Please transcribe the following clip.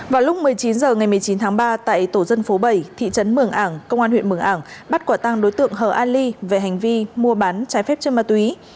vào lúc một mươi chín h ngày một mươi chín tháng ba tại tổ dân phố bảy thị trấn mường ảng công an huyện mường ảng bắt quả tăng đối tượng hờ ali về hành vi mua bán trái phép chân ma túy